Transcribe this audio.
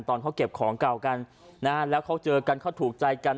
ตอนเขาเก็บของเก่ากันนะฮะแล้วเขาเจอกันเขาถูกใจกัน